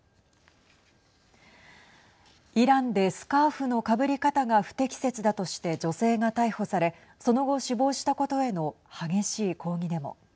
イランでスカーフのかぶり方が不適切だとして女性が逮捕されその後、死亡したことへの激しい抗議デモ。